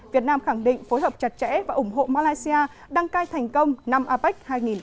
việt nam khẳng định phối hợp chặt chẽ và ủng hộ malaysia đăng cai thành công năm apec hai nghìn hai mươi